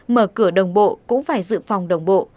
mở cửa đồng bộ cũng phải dự phòng đồng bộ